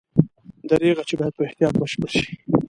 دریغه چې باید په احتیاط بشپړ شي.